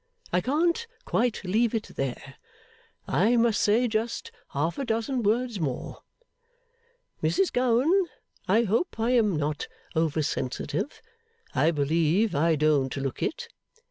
I can't quite leave it there; I must say just half a dozen words more. Mrs Gowan, I hope I am not over sensitive. I believe I don't look it.